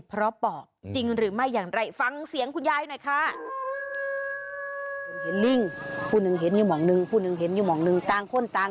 เป็น๗